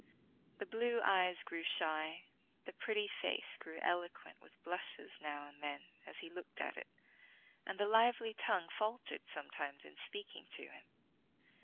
The blue eyes grew shy, the pretty face grew eloquent with blushes now and then, as he looked at it, and the lively tongue faltered sometimes in speaking to him.